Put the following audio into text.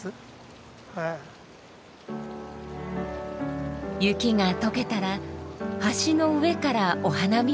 雪が解けたら橋の上からお花見です。